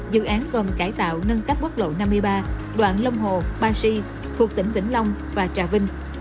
dự án gồm cải tạo nâng cấp quốc lộ năm mươi ba đoạn long hồ ba si thuộc tỉnh vĩnh long và trà vinh